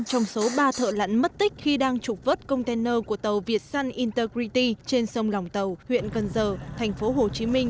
trong số ba thợ lặn mất tích khi đang trục vớt container của tàu việt sun intergrity trên sông lòng tàu huyện cần giờ tp hcm